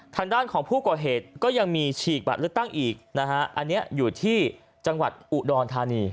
ทางด้านของผู้ก่อเหตุก็ยังมีฉีกบัตรเลือกตั้งอีกนะฮะอันนี้อยู่ที่จังหวัดอุดรธานี